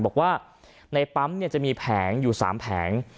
บอกว่าในปั๊มอีก